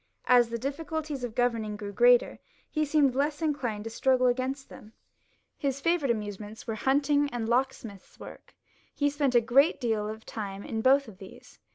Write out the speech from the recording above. As the difficulties of governing grew greater, he seemed less inclined to struggle against them. His favourite amusements were hunting and lock smith's work ; he spent a great deal of time in both of these.